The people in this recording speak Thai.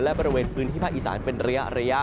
และบริเวณพื้นที่ภาคอีสานเป็นระยะ